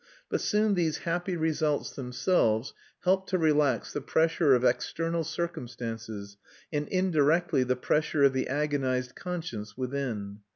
But soon these happy results themselves helped to relax the pressure of external circumstances, and indirectly the pressure of the agonised conscience within.